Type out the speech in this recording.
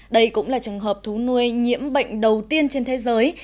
đây cũng là trường hợp thú nuôi nhiễm bệnh đầu tiên trên thế giới